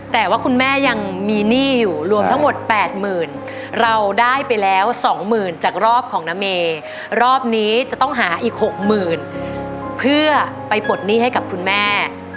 แต่ว่าคุณแม่ยังมีหนี้อยู่รวมทั้งหมด๘๐๐๐เราได้ไปแล้วสองหมื่นจากรอบของนเมรอบนี้จะต้องหาอีกหกหมื่นเพื่อไปปลดหนี้ให้กับคุณแม่